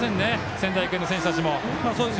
仙台育英の選手たちも。